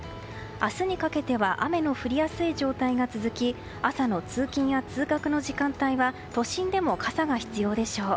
明日にかけては雨の降りやすい状態が続き朝の通勤や通学の時間帯は都心でも傘が必要でしょう。